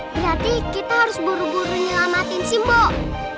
berarti kita harus buru buru nyelamatin simbok